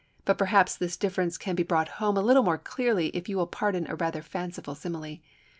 But perhaps this difference can be brought home a little more clearly if you will pardon a rather fanciful simile.